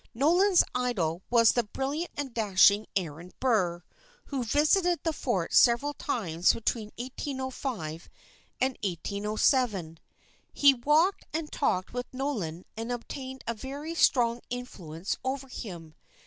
Nolan's idol was the brilliant and dashing Aaron Burr, who visited the fort several times between 1805 and 1807. He walked and talked with Nolan and obtained a very strong influence over him.